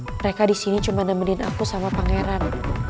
mereka di sini cuma nemenin aku sama pangeran